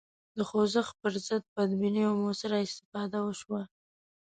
د خوځښت پر ضد بدبینیو موثره استفاده وشوه